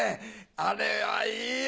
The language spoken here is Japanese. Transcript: あれはいいよ